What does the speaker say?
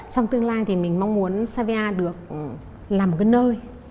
trong tương lai thì mình mong muốn savia được làm một cái nơi